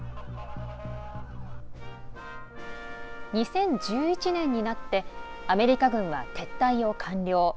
２０１１年になってアメリカ軍は撤退を完了。